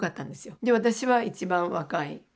で私は一番若い。